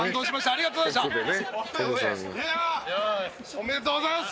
ありがとうございます。